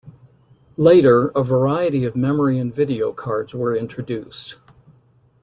Later, a variety of memory and video cards were introduced.